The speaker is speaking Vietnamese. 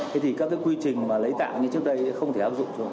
thế thì các cái quy trình mà lấy tạng như trước đây không thể áp dụng được